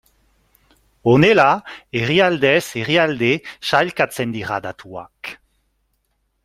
Honela herrialdez herrialde sailkatzen dira datuak.